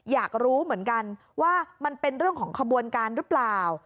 อยากรู้เหมือนกันว่ามันเป็นเรื่องของขบวนการหรือเปล่า